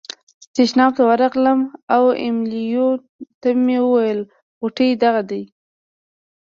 تشناب ته ورغلم او امیلیو ته مې وویل غوټې دغه دي.